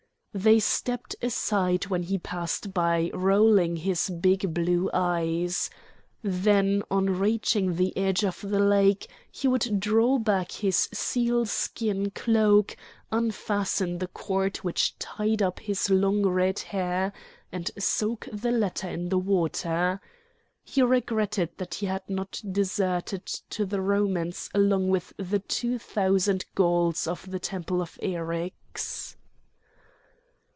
They stepped aside when he passed by rolling his big blue eyes. Then on reaching the edge of the lake he would draw back his sealskin cloak, unfasten the cord which tied up his long red hair, and soak the latter in the water. He regretted that he had not deserted to the Romans along with the two thousand Gauls of the temple of Eryx.